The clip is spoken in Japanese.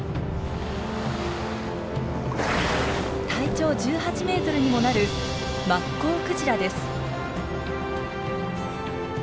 体長１８ｍにもなるマッコウクジラです。